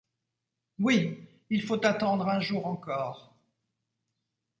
Oui ! il faut attendre un jour encore !